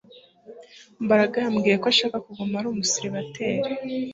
Mbaraga yambwiye ko ashaka kuguma ari umuseribateri